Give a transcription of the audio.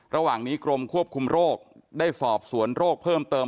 ระหว่างนี้กรมควบคุมโรคได้สอบสวนโรคเพิ่มเติม